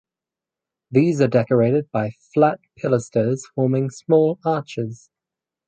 These are decorated by flat pilasters forming small arches.